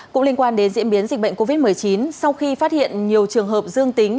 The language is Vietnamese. cũng liên quan đến diễn biến dịch bệnh covid một mươi chín sau khi phát hiện nhiều trường hợp dương tính